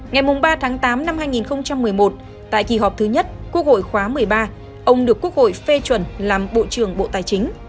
ngày ba tháng tám năm hai nghìn một mươi một tại kỳ họp thứ nhất quốc hội khóa một mươi ba ông được quốc hội phê chuẩn làm bộ trưởng bộ tài chính